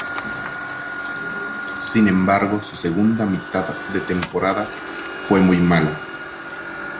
Sin embargo, su segunda mitad de temporada fue muy mala.